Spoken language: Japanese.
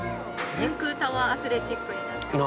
◆天空タワーアスレチックになってます。